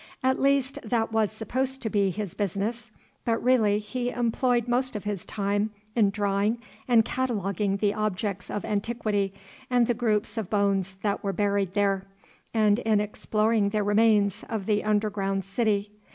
At least that was supposed to be his business, but really he employed most of his time in drawing and cataloguing the objects of antiquity and the groups of bones that were buried there, and in exploring the remains of the underground city.